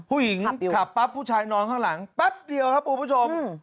ผู้หญิงขับปั๊บผู้ชายนอนข้างหลังแป๊บเดียวครับคุณผู้ชม